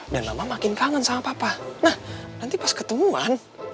dan mama makin kangen sama papa nah nanti pas ketemuan